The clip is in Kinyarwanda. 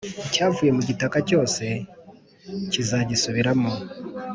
Icyavuye mu gitaka cyose, kizagisubiramo,